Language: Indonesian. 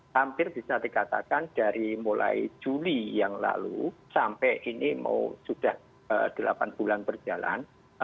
hampir bisa dikatakan dari mulai juli yang lalu sampai ini mau sudah delapan bulan berjalan